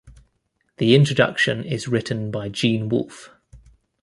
The introduction is written by Gene Wolfe.